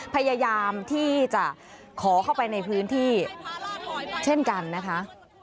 พยายามที่จะขอเข้าไปในพื้นที่เช่นกันนะคะ